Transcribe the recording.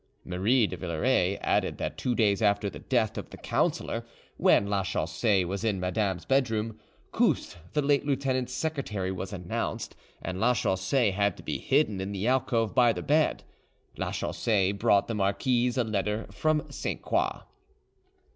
Marie de Villeray added that two days after the death of the councillor, when Lachaussee was in Madame's bedroom, Couste, the late lieutenant's secretary, was announced, and Lachaussee had to be hidden in the alcove by the bed. Lachaussee brought the marquise a letter from Sainte Croix.